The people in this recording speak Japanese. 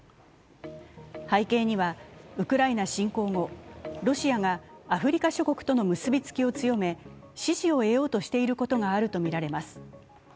背景にはウクライナ侵攻後、ロシアがアフリカ諸国との結びつきを強め、支持を得ようとしていることがあるとみられます。